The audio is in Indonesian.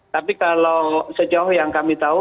tapi kalau sejauh yang kami tahu